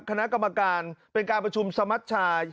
คณะกรรมการเป็นการประชุมสมัชชา